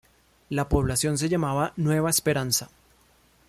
La población se llamaba Nueva Esperanza.